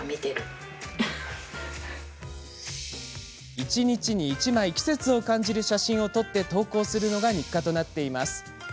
１日に１枚季節を感じる写真を撮って投稿するのが日課となっています。